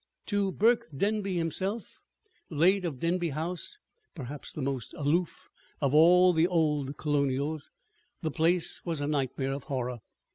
To Burke Denby himself, late of Denby House (perhaps the most aloof of all the "old colonials"), the place was a nightmare of horror.